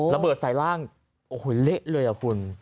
ระเบิดใส่ร่างโอ้โหเละเลยอ่ะคุณ